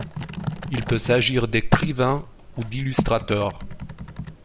Il peut s'agir d'écrivains ou d'illustrateurs.